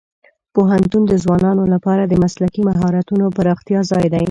پوهنتون د ځوانانو لپاره د مسلکي مهارتونو پراختیا ځای دی.